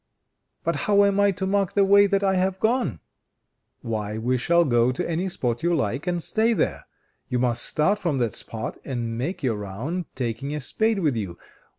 "But how am I to mark the way that I have gone?" "Why, we shall go to any spot you like, and stay there. You must start from that spot and make your round, taking a spade with you.